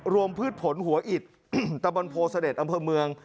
พืชผลหัวอิดตะบนโพเสด็จอำเภอเมือง